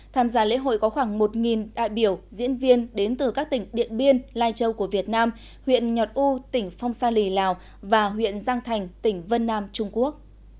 tham gia lễ hội có khoảng một đại biểu diễn viên đến từ các tỉnh điện biên lai châu của việt nam huyện nhọt u tỉnh phong sa lì lào và huyện giang thành tỉnh vân nam trung quốc